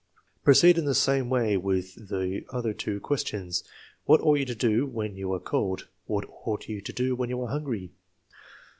Proceed in the same way with the other two questions: " What ought you to do when you are cold?" "What ought you to do when you are hungry